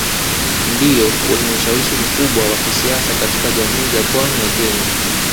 Ndio wenye ushawishi mkubwa wa kisiasa katika jamii za pwani ya Kenya